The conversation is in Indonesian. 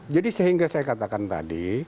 jadi sehingga saya katakan tadi